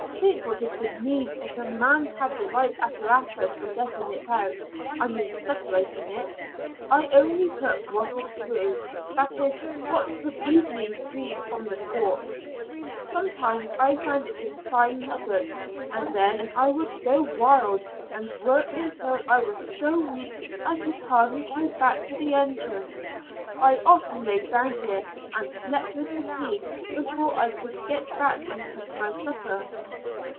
Think what it would mean if a man had the right apparatus for getting it out I mean separating it! I only took what was free; that is, what could be easily freed from the quartz. Sometimes I found it in fine nuggets, and then I would go wild, and work until I was so weak I could hardly crawl back to the entrance. I often lay down here and slept with fatigue before I could get back and cook my supper."